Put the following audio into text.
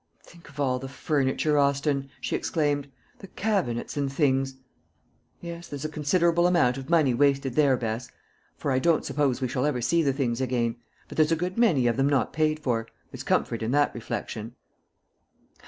"Think of all the furniture, Austin," she exclaimed; "the cabinets and things!" "Yes; there's a considerable amount of money wasted there, Bess; for I don't suppose we shall ever see the things again, but there's a good many of them not paid for. There's comfort in that reflection."